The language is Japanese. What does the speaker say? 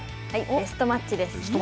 ベストマッチです。